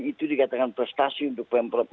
itu dikatakan prestasi untuk pemprov